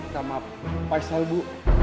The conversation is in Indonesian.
sama paisel bu